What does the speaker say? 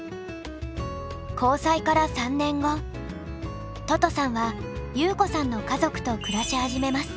交際から３年後ととさんはゆうこさんの家族と暮らし始めます。